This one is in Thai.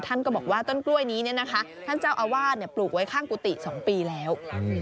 ท่านก็บอกว่าต้นกล้วยนี้ท่านเจ้าอาวาสปลูกไว้ข้างกุฏิ๒ปีแล้ว